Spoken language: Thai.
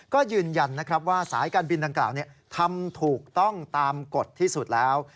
ก็ยืนยันนะครับว่าสายการบินดังกล่าวทำถูกต้องตามกฎที่สุดแล้ว